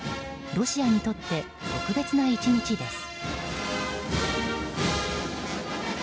ロシアにとって特別な１日です。